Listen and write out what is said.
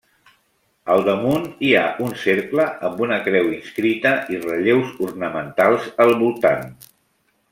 Al damunt hi ha un cercle amb una creu inscrita i relleus ornamentals al voltant.